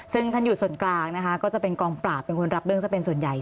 ซึ่งท่านอยู่ส่วนกลางนะคะก็จะเป็นกองปราบเป็นคนรับเรื่องซะเป็นส่วนใหญ่